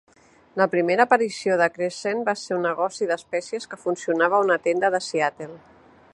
La primera aparició de Crescent va ser un negoci d'espècies que funcionava a una tenda de Seattle.